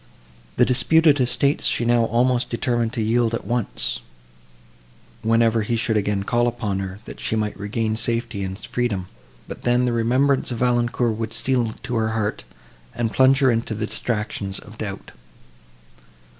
The disputed estates she now almost determined to yield at once, whenever he should again call upon her, that she might regain safety and freedom; but then, the remembrance of Valancourt would steal to her heart, and plunge her into the distractions of doubt.